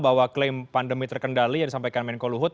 bahwa klaim pandemi terkendali yang disampaikan menko luhut